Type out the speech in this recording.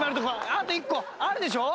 あと１個あるでしょ。